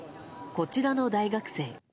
こちらの大学生。